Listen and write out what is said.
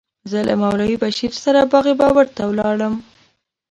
زه له مولوي بشیر سره باغ بابر ته ولاړم.